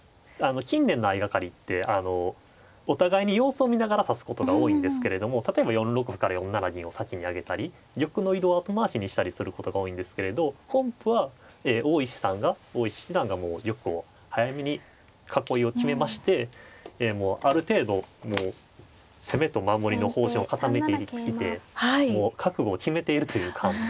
近年の相掛かりってお互いに様子を見ながら指すことが多いんですけれども例えば４六歩から４七銀を先に上げたり玉の移動を後回しにしたりすることが多いんですけれど本譜は大石さんが大石七段がもう玉を早めに囲いを決めましてある程度もう攻めと守りの方針を固めていて覚悟を決めているという感じですね。